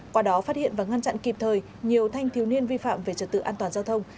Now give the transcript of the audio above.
qua đó phát hiện và ngăn chặn kịp thời nhiều thanh thiếu niên vi phạm về trật tự an toàn giao thông